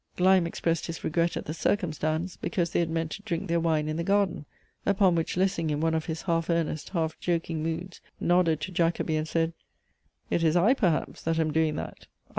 Gleim expressed his regret at the circumstance, because they had meant to drink their wine in the garden: upon which Lessing in one of his half earnest, half joking moods, nodded to Jacobi, and said, "It is I, perhaps, that am doing that," i.e.